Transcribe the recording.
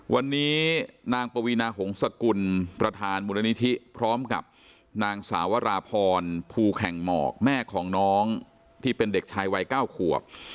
วันนี้นางปวีนาหงษกุลประธานมูลนิธิพร้อมกับนางสาวราพรภูแข่งหมอกแม่ของน้องที่เป็นเด็กชายวัย๙ขวบ